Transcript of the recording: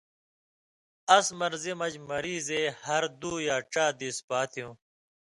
اَس مرضی مہ مریضے ہر دُو یا ڇا دېس پاتیُوں